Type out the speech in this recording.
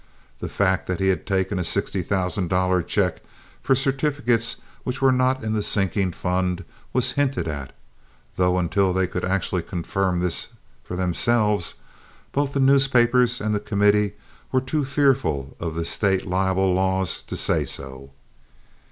The fact that he had taken a sixty thousand dollar check for certificates which were not in the sinking fund was hinted at, though until they could actually confirm this for themselves both the newspapers and the committee were too fearful of the State libel laws to say so.